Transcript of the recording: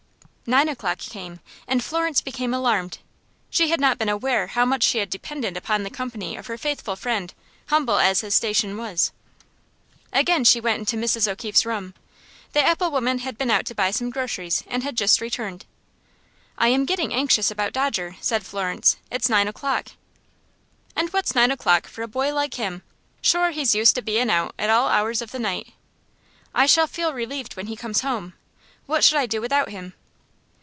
Nine o'clock came, and Florence became alarmed. She had not been aware how much she had depended upon the company of her faithful friend, humble as his station was. Again she went into Mrs. O'Keefe's room. The apple woman had been out to buy some groceries and had just returned. "I am getting anxious about Dodger," said Florence. "It is nine o'clock." "And what's nine o'clock for a boy like him? Shure he's used to bein' out at all hours of the night." "I shall feel relieved when he comes home. What should I do without him?"